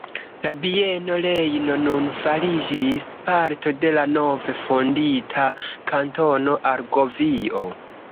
La Bieno Rejno nun fariĝis parto de la nove fondita Kantono Argovio.